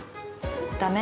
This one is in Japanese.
ダメ！